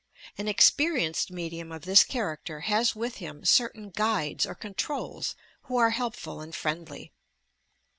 An experienced medium of this character has with him certain "guides" or "controls" who are helpful and friendly.